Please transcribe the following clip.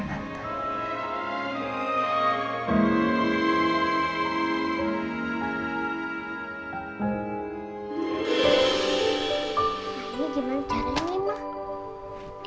ini gimana caranya mbak